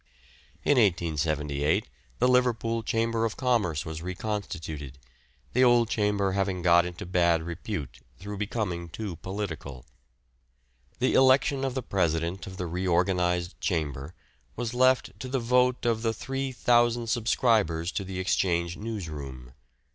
In 1878 the Liverpool Chamber of Commerce was reconstituted, the old chamber having got into bad repute through becoming too political. The election of the president of the re organised chamber was left to the vote of the three thousand subscribers to the Exchange News Room.